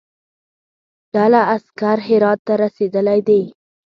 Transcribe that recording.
ډله عسکر هرات ته رسېدلی دي.